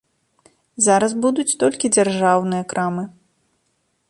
Зараз будуць толькі дзяржаўныя крамы.